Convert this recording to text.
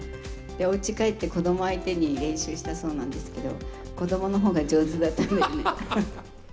おうち帰って、子ども相手に練習したそうなんですけど、子どものほうが上手だったんだよね。